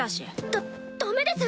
ダダメです